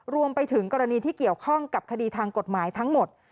รวมไปถึงกรณีที่เกี่ยวข้องกับคดีทางกฎหมายทั้งหมด